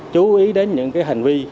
chú ý đến những hành vi